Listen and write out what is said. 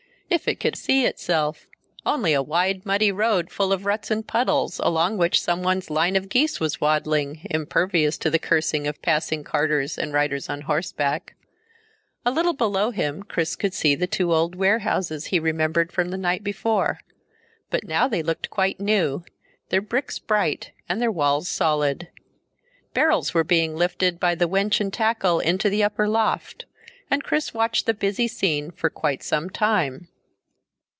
If it could see itself! Only a wide muddy road full of ruts and puddles, along which someone's line of geese was waddling, impervious to the cursing of passing carters and riders on horseback. A little below him Chris could see the two old warehouses he remembered from the night before. But now they looked quite new, their bricks bright and their walls solid. Barrels were being lifted by the winch and tackle into the upper loft, and Chris watched the busy scene for quite some time.